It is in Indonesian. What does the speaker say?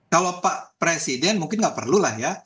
kalau pak presiden mungkin nggak perlulah ya